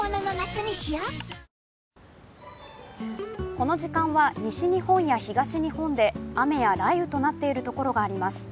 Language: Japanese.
この時間は西日本や東日本で雨や雷雨となっている所があります。